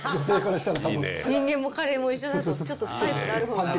人間もカレーも一緒だと、ちょっとスパイスがあったほうが。